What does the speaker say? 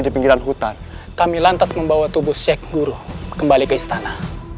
di pinggiran hutan kami lantas membawa tubuh sheikh guru kembali ke istana